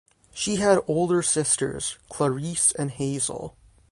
She had older sisters Clarice and Hazel.